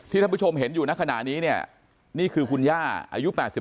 ท่านผู้ชมเห็นอยู่ในขณะนี้เนี่ยนี่คือคุณย่าอายุ๘๒